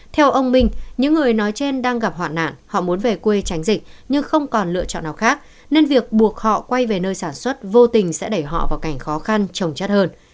theo ông minh những người nói trên đang gặp hoạn nạn họ muốn về quê tránh dịch nhưng không còn lựa chọn nào khác nên việc buộc họ quay về nơi sản xuất vô tình sẽ đẩy họ vào cảnh khó khăn trồng chất hơn